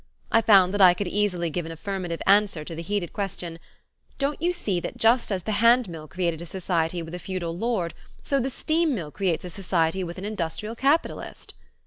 I found that I could easily give an affirmative answer to the heated question "Don't you see that just as the hand mill created a society with a feudal lord, so the steam mill creates a society with an industrial capitalist?"